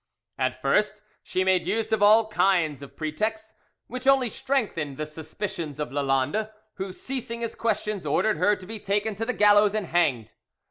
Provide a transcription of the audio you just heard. At first she made use of all kinds of pretexts, which only strengthened the suspicions of Lalande, who, ceasing his questions, ordered her to be taken to the gallows and hanged.